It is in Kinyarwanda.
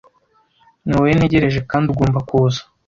niwowe ntegereje kandi ugomba kuza